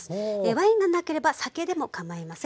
ワインがなければ酒でもかまいません。